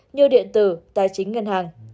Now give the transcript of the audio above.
như điện tử tài chính ngân hàng